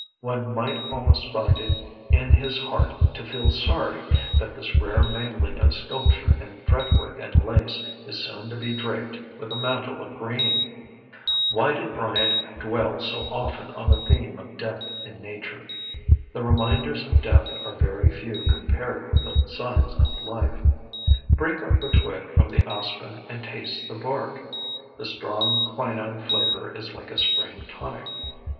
One might almost find it in his heart to feel sorry that this rare mingling of sculpture and fretwork and lace is soon to be draped with a mantle of green. Why did Bryant dwell so often on the theme of death in Nature? The reminders of death are very few compared with the signs of life. Break off a twig from the aspen and taste the bark. The strong quinine flavor is like a spring tonic.